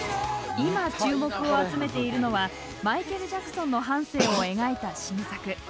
今、注目を集めているのはマイケル・ジャクソンの半生を描いた新作。